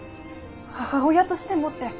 「母親としても」って。